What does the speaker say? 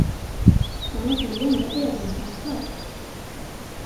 Han har så långa ögonfransar!